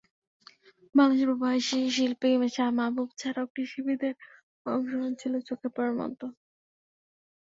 বাংলাদেশের প্রবাসী শিল্পী শাহ মাহাবুব ছাড়াও কৃষিবিদের অংশগ্রহণ ছিল চোখে পড়ার মতো।